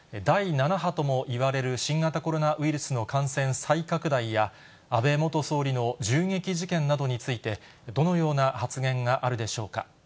第７波ともいわれる、新型コロナウイルスの感染再拡大や、安倍元総理の銃撃事件などについて、どのような発言があるでしょうか。